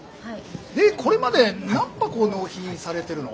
でこれまで何箱納品されてるの？